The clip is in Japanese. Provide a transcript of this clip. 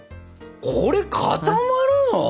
これ固まるの？